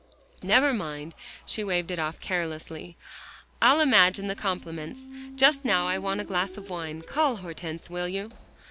"Never mind," she waved it off carelessly, "I'll imagine the compliments. Just now I want a glass of wine. Call Hortense, will you?"